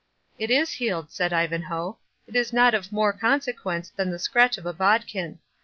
"It is healed," said Ivanhoe; "it is not of more consequence than the scratch of a bodkin.